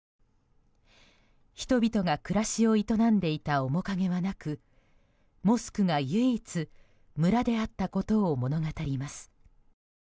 人々が暮らしを営んでいた面影はなくモスクが唯一村であったことを物語ります。